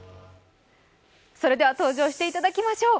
それでは登場していただきましょう。